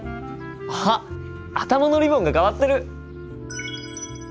あっ頭のリボンが替わってる！